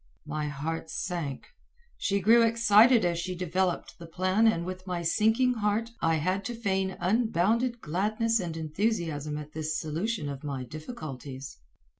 My heart sank. She grew excited as she developed the plan and with my sinking heart I had to feign unbounded gladness and enthusiasm at this solution of my difficulties.